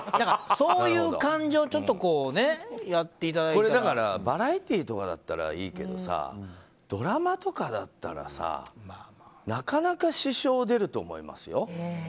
そういう感じをバラエティーとかだったらいいけどドラマとかだったらさなかなか支障出ると思いますよ。